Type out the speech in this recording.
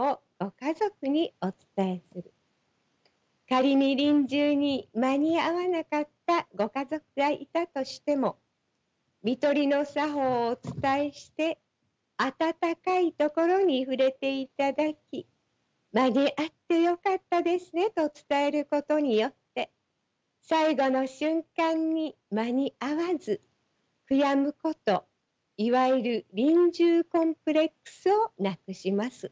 仮に臨終に間に合わなかったご家族がいたとしても看取りの作法をお伝えして温かい所に触れていただき間に合ってよかったですねと伝えることによって最期の瞬間に間に合わず悔やむこといわゆる臨終コンプレックスをなくします。